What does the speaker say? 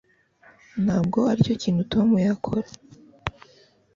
Ntabwo aricyo kintu Tom yakora